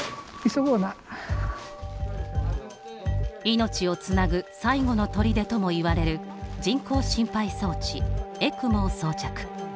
命をつなぐ最後の砦ともいわれる人工心肺装置・エクモを装着。